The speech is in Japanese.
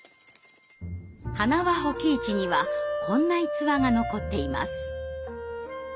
塙保己一にはこんな逸話が残っています。